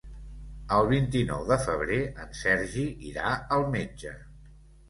El vint-i-nou de febrer en Sergi irà al metge.